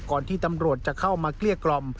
ที่ตำรวจจะเข้ามาเกลี้ยกล่อม